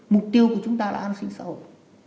mục tiêu của chúng ta là an sinh xã hội